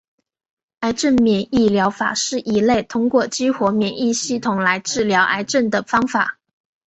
癌症免疫疗法是一类通过激活免疫系统来治疗癌症的方法。